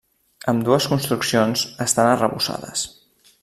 Ambdues construccions estan arrebossades.